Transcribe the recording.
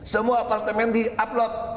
semua apartemen di upload